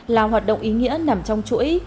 là hoạt động ý nghĩa nằm trong chuỗi